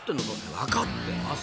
分かってます］